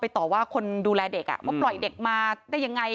ต่อว่าคนดูแลเด็กว่าปล่อยเด็กมาได้ยังไง